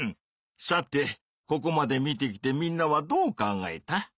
さてここまで見てきてみんなはどう考えた？